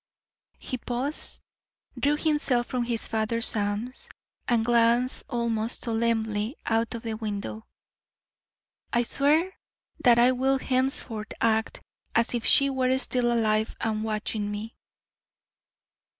He paused, drew himself from his father's arms, and glanced almost solemnly out of the window. "I swear that I will henceforth act as if she were still alive and watching me."